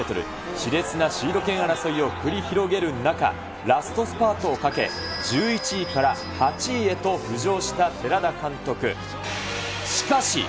しれつなシード権争いを繰り広げる中、ラストスパートをかけ、１１位から８位へと浮上した寺田監督。